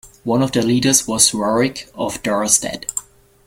One of their leaders was Rorik of Dorestad.